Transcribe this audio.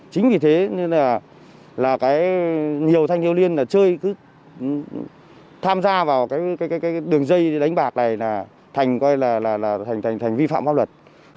chính vì thế nên là nhiều thanh thiếu liên chơi tham gia vào cái đường dây đánh bạc này là thành vi phạm pháp luật